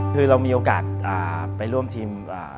คือเรามีโอกาสไปร่วมทีม